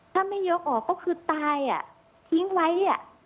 ถ้าไม่ยกออกก็คือตายทิ้งไว้